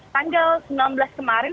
tanggal sembilan belas kemarin